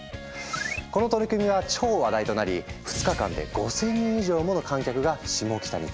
この取り組みは超話題となり２日間で５，０００人以上もの観客がシモキタに詰めかけた。